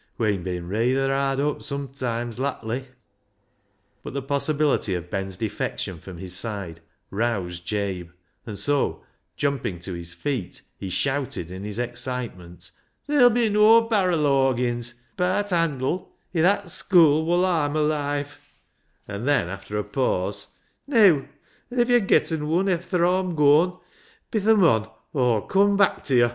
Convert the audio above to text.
We'en bin rayther hard up sometimes lattly." But the possibility of Ben's defection from his side roused Jabe, and so, jumping to his feet, he shouted in his excitement —" Ther'll be noa barril orgins — baat handle — i' that schoo' woll Aw'm alive," and then, after a pause —" Neaw, an' if yo' getten wun efther Aw'm gooan, bi th' mon' yXw'U cum back ta yo'."